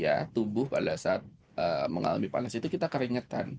ya tubuh pada saat mengalami panas itu kita keringetan